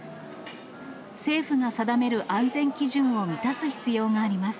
政府が定める安全基準を満たす必要があります。